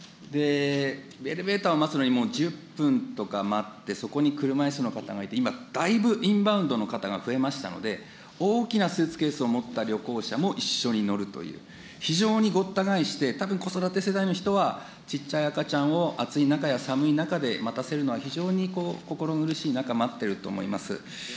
エレベーターを待つのに、１０分とか待って、そこに車いすの方がいて、今、だいぶインバウンドの方が増えましたので、大きなスーツケースを持った旅行者も一緒に乗るという、非常にごった返して、たぶん子育て世代の人は、ちっちゃい赤ちゃんを暑い中や寒い中で待たせるのは非常に心苦しい中、待っていると思います。